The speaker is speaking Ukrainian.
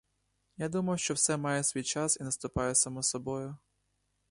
Я думав, що все має свій час і наступає само собою.